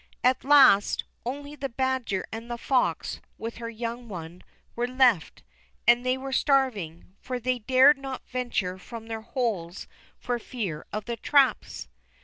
At last, only the badger and the fox, with her young one, were left, and they were starving, for they dared not venture from their holes for fear of the traps.